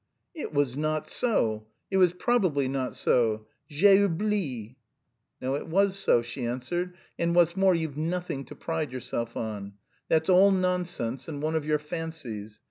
"It was not so. It was probably not so. J'ai oublié!" "No; it was so," she answered, "and, what's more, you've nothing to pride yourself on. That's all nonsense, and one of your fancies.